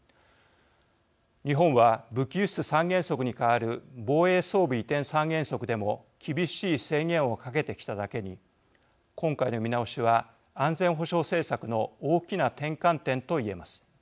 日本は武器輸出三原則に代わる防衛装備移転三原則でも厳しい制限をかけてきただけに今回の見直しは安全保障政策の大きな転換点と言えます。